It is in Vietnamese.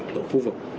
của khu vực